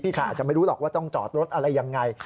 พี่ชายจะไม่รู้หรอกว่าต้องจอดรถอะไรอย่างไร